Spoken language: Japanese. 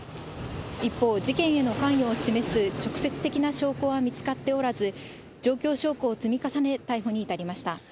一方、事件への関与を示す直接的な証拠は見つかっておらず、状況証拠を積み重ね、逮捕に至りました。